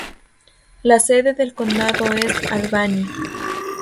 La sede del condado es Albany.